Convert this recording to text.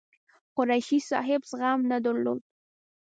قریشي صاحب زغم نه درلود.